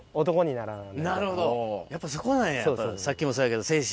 なるほどやっぱそこなんやさっきもそうやけど精神。